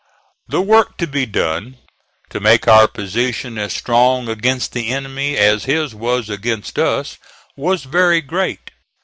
The work to be done, to make our position as strong against the enemy as his was against us, was very great.